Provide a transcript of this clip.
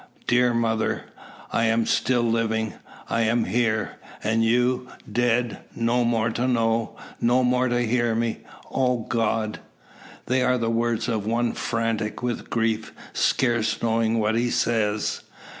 dear mother! I am still living! I am here! And you, dead! No more to know no more hear me! O God!" They are the words of one frantic with grief, scarce knowing what he says.